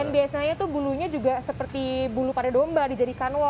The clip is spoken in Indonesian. dan biasanya tuh bulunya juga seperti bulu pada domba dijadikan